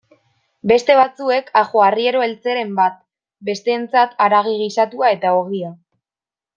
Beste batzuek ajoarriero eltzeren bat, besteentzat haragi gisatua eta ogia.